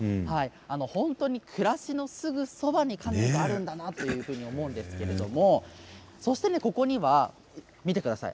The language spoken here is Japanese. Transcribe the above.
本当に暮らしのすぐそばに、カヌーがあるんだなというふうに思うんですけれどもそして、ここには見てください。